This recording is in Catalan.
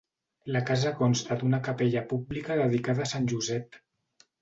La casa consta d'una capella pública dedicada a sant Josep.